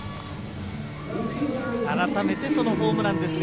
あらためてそのホームランですが。